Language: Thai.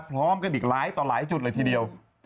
พร้อมกันอีกหลายต่อหลายจุดเลยทีเดียว